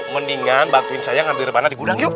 mendingan bantuin saya ngambil rebana di gudang yuk